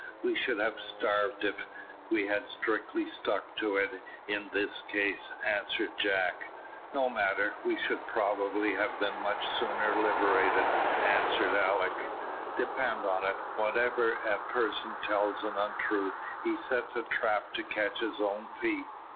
"We should have starved if we had strictly stuck to it in this case," answered Jack. "No matter, we should probably have been much sooner liberated," answered Alick. "Depend on it, whenever a person tells an untruth he sets a trap to catch his own feet."